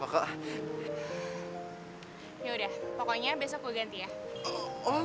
yaudah pokoknya besok gue ganti ya